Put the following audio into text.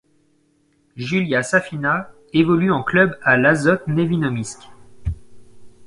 Julia Safina évolue en club à l'Azot Nevinnomyssk.